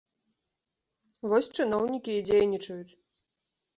Вось чыноўнікі і дзейнічаюць!